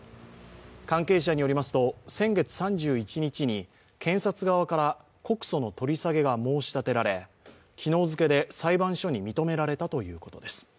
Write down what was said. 関係者によりますと、先月３１日に検察側から告訴の取り下げが申し立てられ、昨日付けで、裁判所に認められたということです。